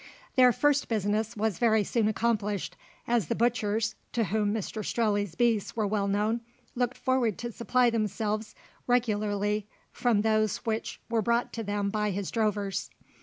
Their first business was very soon accomplished, as the butchers, to whom Mr Strelley's beasts were well known, looked forward to supply themselves regularly from those which were brought to them by his drovers.